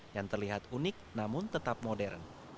yang terlihat unik namun tetap modern